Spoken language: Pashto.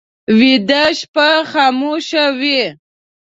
ویده شپه خاموشه وي